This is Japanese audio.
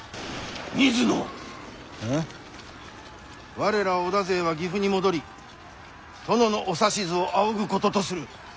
我ら織田勢は岐阜に戻り殿のお指図を仰ぐこととする。